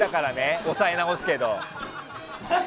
押さえ直すけど。